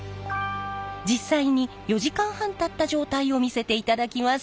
実際に４時間半たった状態を見せていただきます。